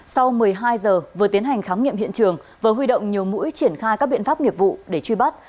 sau một mươi hai giờ vừa tiến hành khám nghiệm hiện trường vừa huy động nhiều mũi triển khai các biện pháp nghiệp vụ để truy bắt